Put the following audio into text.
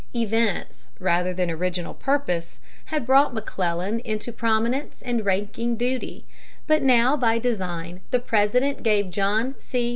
Events, rather than original purpose, had brought McClellan into prominence and ranking duty; but now, by design, the President gave John C.